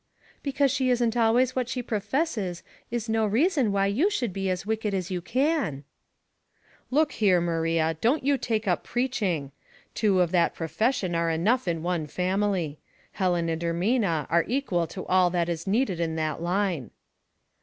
" Because she isn't always what she professes is no reason why you should be as wicked as you cim." 22 Household Puzzles, " Look here, Maria, don't you take up preach ing ; two of that profession are enough in one family. Helen and Ermina are equal to all that is needed in that line."